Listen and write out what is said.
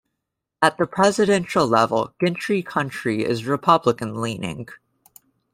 At the presidential level, Gentry County is Republican-leaning.